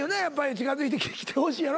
近づいてきてほしいやろ？